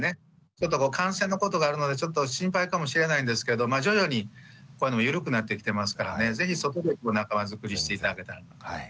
ちょっとこう感染のことがあるのでちょっと心配かもしれないんですけどまあ徐々にコロナもゆるくなってきてますからね是非そこで仲間づくりして頂けたらと思いますね。